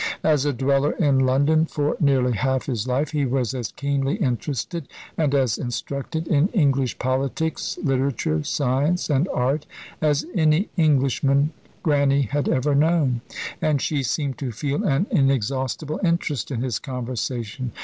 As a dweller in London for nearly half his life, he was as keenly interested and as instructed in English politics, literature, science, and art as any Englishman Grannie had ever known; and she seemed to feel an inexhaustible interest in his conversation.